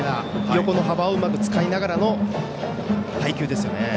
横の幅をうまく使いながらの配球ですよね。